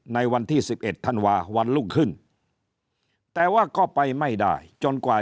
ในวันที่๑๑ธันวาวันรุ่งขึ้นแต่ว่าก็ไปไม่ได้จนกว่า